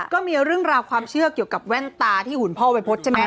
ก็มีเรื่องราวความเชื่อเกี่ยวกับแว่นตาที่หุ่นพ่อวัยพฤษใช่ไหม